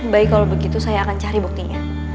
baik kalau begitu saya akan cari buktinya